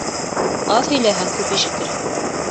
Аҙ һөйләһәң күп ишетерһең.